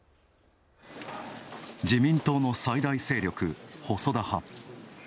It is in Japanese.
自民党の最大勢力、細田派。